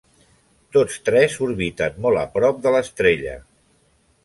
Tots tres orbiten molt a prop de l'estrella.